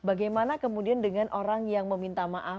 bagaimana kemudian dengan orang yang meminta maaf